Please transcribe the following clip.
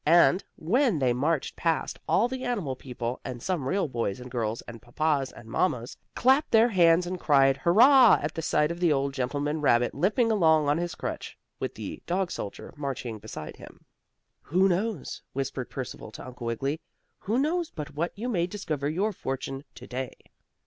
and, when they marched past, all the animal people, and some real boys and girls, and papas and mammas clapped their hands and cried "Hurrah!" at the sight of the old gentleman rabbit limping along on his crutch, with the dog soldier marching beside him. "Who knows," whispered Percival to Uncle Wiggily, "who knows but what you may discover your fortune to day?"